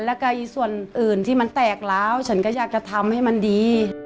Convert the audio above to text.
แล้วก็อีกส่วนอื่นที่มันแตกแล้วฉันก็อยากจะทำให้มันดี